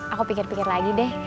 aku pikir pikir lagi deh